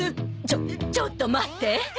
ちょっちょっと待って！